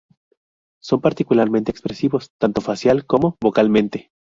Son particularmente expresivos tanto facial como vocalmente.